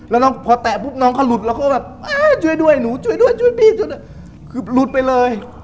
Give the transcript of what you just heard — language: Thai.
แล้วน้องพอแตะปุ๊บน้องเขาหลุดแล้วก็แบบช่วยด้วยหนูช่วยด้วยช่วยพี่ช่วยด้วยคือหลุดไปเลย